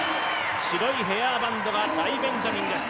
白いヘアバンドがライ・ベンジャミンです。